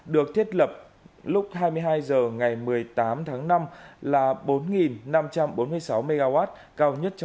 được thiết lập lúc hai mươi hai h